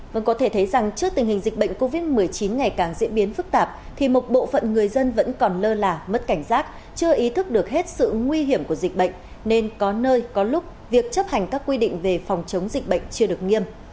vâng có thể thấy rằng trước tình hình dịch bệnh covid một mươi chín ngày càng diễn biến phức tạp thì một bộ phận người dân vẫn còn lơ là mất cảnh giác chưa ý thức được hết sự nguy hiểm của dịch bệnh nên có nơi có lúc việc chấp hành các quy định về phòng chống dịch bệnh chưa được nghiêm